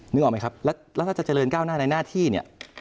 นึกออกไหมครับแล้วถ้าจะเจริญก้าวหน้าในหน้าที่เนี่ย